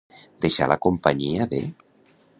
Deixar la companyia de.